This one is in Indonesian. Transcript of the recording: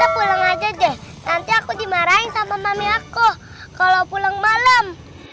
pulang aja deh nanti aku dimarahin sama mama aku kalau pulang malam